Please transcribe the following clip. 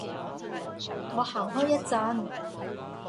我行開一陣